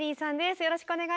よろしくお願いします。